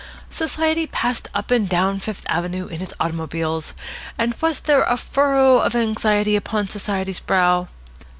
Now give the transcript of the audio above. Society passed up and down Fifth Avenue in its automobiles, and was there a furrow of anxiety upon Society's brow?